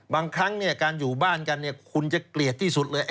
บางครั้งการอยู่บ้านกันคุณจะเกลียดที่สุดเลย